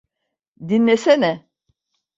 Dinlesene.